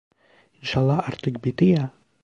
İnşallah artık bitti ya?